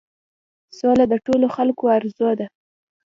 سوله د ټولو خلکو آرزو ده.